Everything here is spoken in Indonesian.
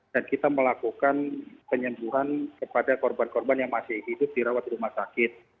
dan kita melakukan penyembuhan kepada korban korban yang masih hidup di rawat rumah sakit